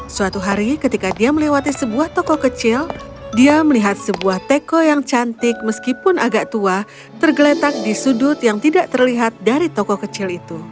suatu hari ketika dia melewati sebuah toko kecil dia melihat sebuah teko yang cantik meskipun agak tua tergeletak di sudut yang tidak terlihat dari toko kecil itu